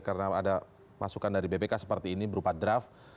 karena ada masukan dari bpk seperti ini berupa draft